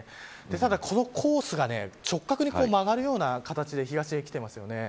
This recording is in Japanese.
ただこのコースが直角に曲がるような形で東へ来てますよね。